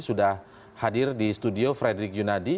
sudah hadir di studio frederick yunadi